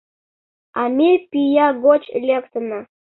— А ме пӱя гоч лектына.